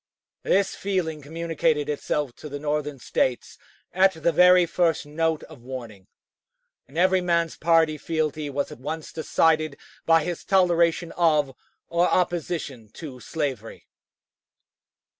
This feeling communicated itself to the Northern States at the very first note of warning, and every man's party fealty was at once decided by his toleration of or opposition to slavery.